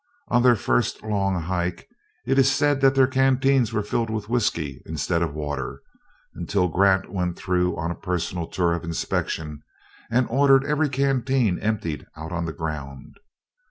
On their first long hike, it is said that their canteens were filled with whiskey, instead of water until Grant went through on a personal tour of inspection, and ordered every canteen emptied out on the ground.